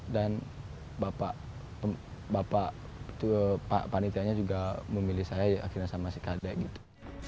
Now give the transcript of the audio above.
dan bapak itu pak panitianya juga memilih saya akhirnya sama si kadek gitu